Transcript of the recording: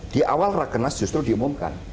di awal rakenas justru diumumkan